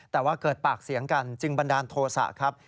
แต่ว่าเกิดปากเสียงกันจึงบันดาลโทษะครับ